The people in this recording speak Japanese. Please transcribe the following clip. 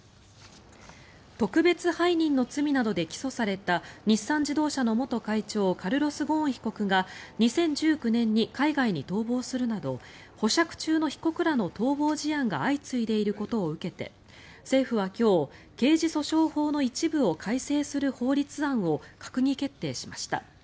特別背任の罪などで起訴された日産自動車の元会長カルロス・ゴーン被告が２０１９年に海外に逃亡するなど保釈中の被告らの逃亡事案が相次いでいることを受けて政府は今日、刑事訴訟法の一部を改正する法律案を閣議決定しました。